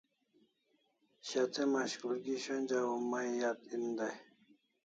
Shat'e mashkulgi shonja o mai yat en dai